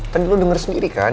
tadi lu denger sendiri kan